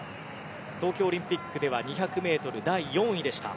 東京オリンピックでは２００ｍ第４位でした。